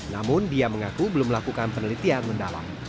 namun dia mengaku belum melakukan penelitian mendalam